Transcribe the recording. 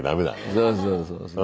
そうそうそうそう。